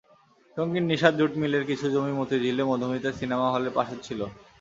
টঙ্গীর নিশাত জুট মিলের কিছু জমি মতিঝিলে মধুমিতা সিনেমা হলের পাশে ছিল।